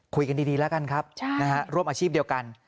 คุยกันดีแล้วกันครับร่วมอาชีพเดียวกัน